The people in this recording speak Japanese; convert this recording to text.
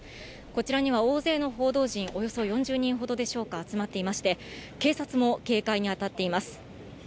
こちらには大勢の報道陣、およそ４０人ほどでしょうか、集まっていまして、警察も警戒に当たっています。